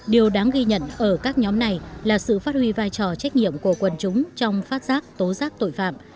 điều đáng ghi nhận ở các nhóm này là sự phát huy vai trò trách nhiệm của quần chúng trong phát giác tố giác tội phạm